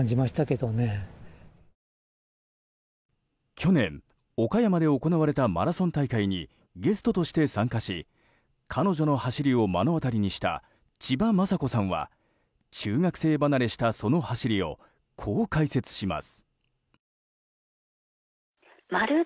去年岡山で行われたマラソン大会にゲストとして参加し彼女の走りを目の当たりにした千葉真子さんは、中学生離れしたその走りをこう解説します。